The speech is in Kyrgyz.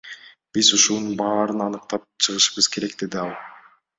Биз ушунун баарын аныктап чыгышыбыз керек, — деди ал.